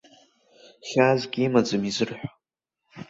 Хьаасгьы имаӡам изырҳәо.